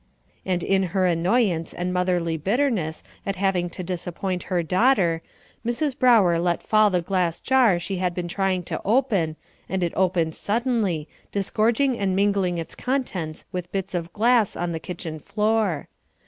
And in her annoyance and motherly bitterness at having to disappoint her daughter, Mrs. Brower let fall the glass jar she had been trying to open, and it opened suddenly, disgorging and mingling its contents with bits of glass on the kitchen floor.